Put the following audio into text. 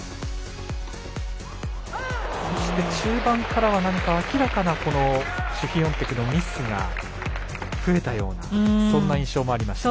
そして、中盤からは明らかなシフィオンテクのミスが増えたようなそんな印象もありました。